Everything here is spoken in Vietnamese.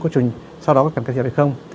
có chụp sau đó có cần cây thiệp hay không